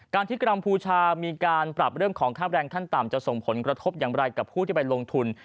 ที่กรัมพูชามีการปรับเรื่องของค่าแรงขั้นต่ำจะส่งผลกระทบอย่างไรกับผู้ที่ไปลงทุน